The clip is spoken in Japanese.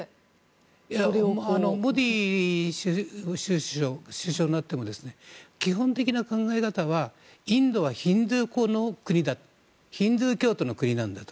モディ州首相になっても基本的な考え方はインドはヒンドゥー教徒の国なんだと。